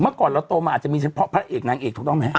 เมื่อก่อนเราโตมาอาจจะมีเฉพาะพระเอกนางเอกถูกต้องไหม